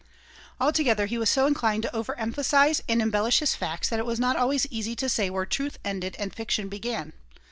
Altogether he was so inclined to overemphasize and embellish his facts that it was not always easy to say where truth ended and fiction began.